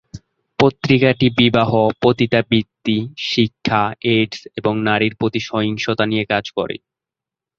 পত্রিকাটি বিবাহ, পতিতাবৃত্তি, শিক্ষা, এইডস এবং নারীর প্রতি সহিংসতা নিয়ে কাজ করে।